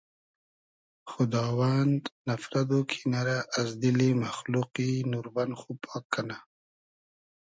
خوداوند نفرت و کینۂ رۂ از دیلی مئخلوقی نوربئن خو پاگ کئنۂ